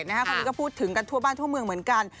คนนี้ก็พูดถึงกันทั่วบ้านทั่วเมืองเหมือนกัน